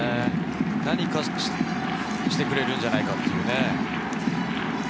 何かしてくれるんじゃないか。